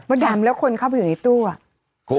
วันดำแล้วคนเข้าไปอยู่ในนี้ตู้อะ